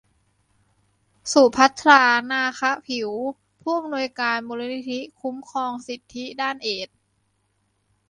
สุภัทรา นาคะผิว ผู้อำนวยการมูลนิธิศูนย์คุ้มครองสิทธิด้านเอดส์